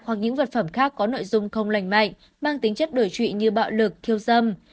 hoặc những vật phẩm khác có nội dung không lành mạnh mang tính chất đối trị như bạo lực thiêu dâm